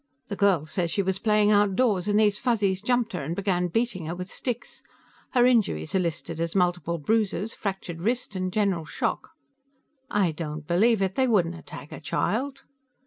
The girl says she was playing outdoors and these Fuzzies jumped her and began beating her with sticks. Her injuries are listed as multiple bruises, fractured wrist and general shock." "I don't believe it! They wouldn't attack a child."